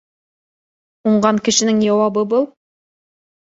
Уңған кешенең яуабы был